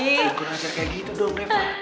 gak kurang ajar kayak gitu dong reva